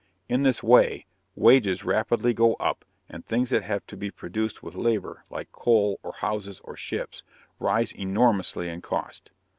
In this way, wages rapidly go up and things that have to be produced with labor, like coal, or houses, or ships, rise enormously in cost.